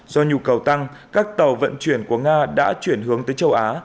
do nhu cầu tăng các tàu vận chuyển của nga đã chuyển hướng tới châu á